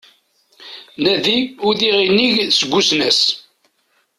Nadi udiɣ inig seg usnas